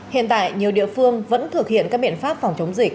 hiện tại nhiều địa phương vẫn thực hiện các biện pháp phòng chống dịch